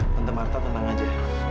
tante marta tenang aja